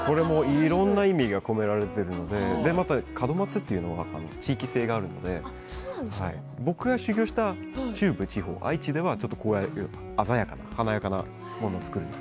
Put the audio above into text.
いろいろな意味が込められているのでまた門松というのは地域性があるので僕が修業した中部地方愛知地方では、こういう華やかなものを作るんです。